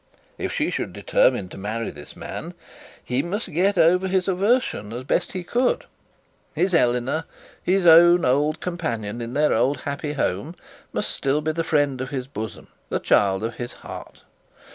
If she should determine to marry this man, he must get over his aversion as best he could. His Eleanor, his own old companion in their old happy home, must still be friend of his bosom, the child of his heart.